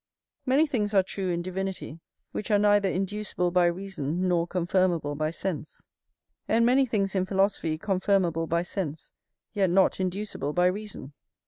Many things are true in divinity, which are neither inducible by reason nor confirmable by sense; and many things in philosophy confirmable by sense, yet not inducible by reason.